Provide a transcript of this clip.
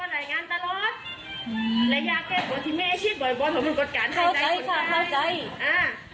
ระยะเกษตรบทิเมฆชีพบ่อยของบุญกฎการไฟใจผลไกร